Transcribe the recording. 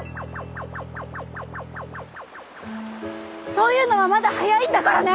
そういうのはまだ早いんだからね！